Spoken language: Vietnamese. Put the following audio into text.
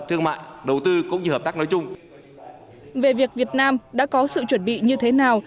thương mại đầu tư cũng như hợp tác nói chung về việc việt nam đã có sự chuẩn bị như thế nào